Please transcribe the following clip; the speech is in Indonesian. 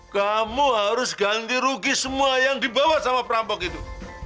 kamu harus ganti rugi semua yang dibawa sama perampok itu